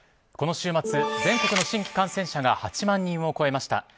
この週末全国の新規感染者が８万人を超えました。